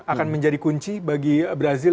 akan menjadi kunci bagi brazil